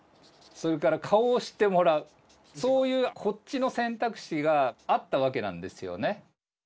それから「顔を知ってもらう」そういうこっちの選択肢があったわけなんですよね。